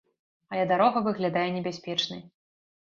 Але дарога выглядае небяспечнай.